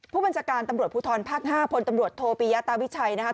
ผู้บัญชาการตำรวจภูทรภาค๕พลตำรวจโทปิยาตาวิชัยนะครับ